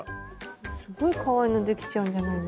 すっごいかわいいのできちゃうんじゃないの？